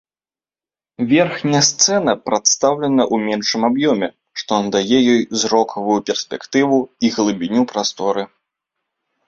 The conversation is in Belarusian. Верхняя сцэна прадстаўлена ў меншым аб'ёме, што надае ёй зрокавую перспектыву і глыбіню прасторы.